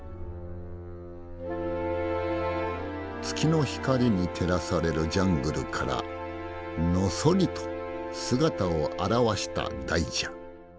月の光に照らされるジャングルからのそりと姿を現した大蛇。